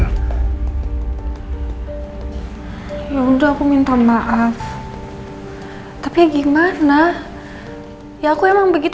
saya tidak bisa berpindah kembali